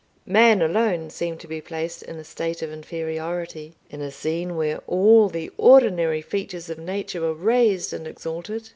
Man alone seemed to be placed in a state of inferiority, in a scene where all the ordinary features of nature were raised and exalted.